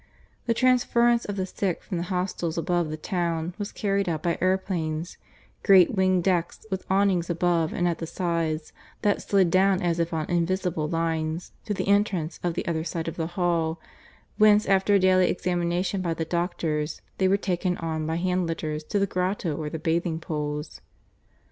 The transference of the sick from the hostels above the town was carried out by aeroplanes great winged decks, with awnings above and at the sides, that slid down as if on invisible lines, to the entrance of the other side of the hall, whence after a daily examination by the doctors they were taken on by hand litters to the grotto or the bathing pools.